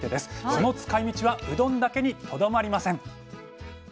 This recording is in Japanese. その使いみちはうどんだけにとどまりません。